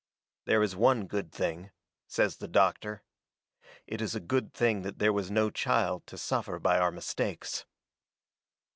"There is one good thing," says the doctor. "It is a good thing that there was no child to suffer by our mistakes."